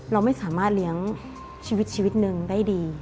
เราไม่สามารถเลี้ยงชีวิตชีวิตหนึ่งได้ดี